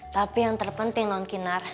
tapi yang terpenting non kinar